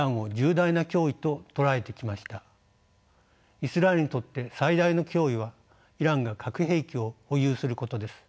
イスラエルにとって最大の脅威はイランが核兵器を保有することです。